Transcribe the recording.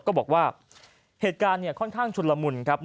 ก็บอกว่าเหตุการณ์ค่อนข้างชุดละมุนครับ